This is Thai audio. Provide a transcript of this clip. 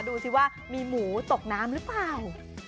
ดูสิว่ามีหมูตกน้ำหรือเปล่า